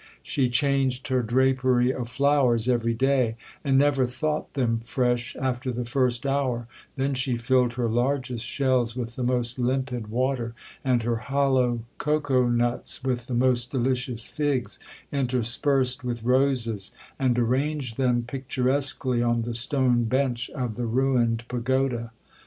She changed her drapery of flowers every day, and never thought them fresh after the first hour; then she filled her largest shells with the most limpid water, and her hollow cocoa nuts with the most delicious figs, interspersed with roses, and arranged them picturesquely on the stone bench of the ruined pagoda.